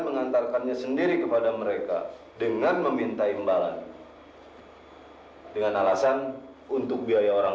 mengantarkannya sendiri kepada mereka dengan meminta imbalan dengan alasan untuk biaya orang